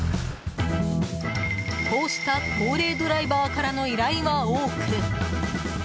こうした高齢ドライバーからの依頼は多く。